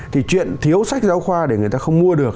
thì chuyện thiếu sách giáo khoa để người ta không mua được